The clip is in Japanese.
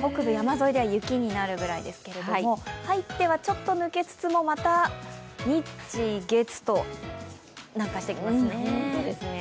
北部山沿いでは雪になるぐらいですけど、入ってはちょっと抜けつつもまた日、月と南下してきますね。